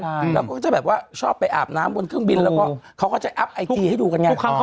แล้วก็ก็จะชอบไปอาบน้ำบนเครื่องบินแล้วเค้าจะอัพไอทีให้ดูยังไง